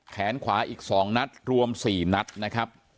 แขนขวาอีก๒นัดรวม๔นัดนะครับ